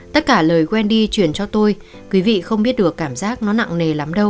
tất cả lời quen đi chuyển cho tôi quý vị không biết được cảm giác nó nặng nề lắm đâu